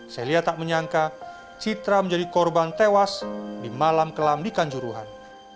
celia tak menyangka citra menjadi korban tewas di malam kelam di kanjuruhan